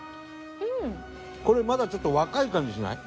これまだちょっと若い感じしない？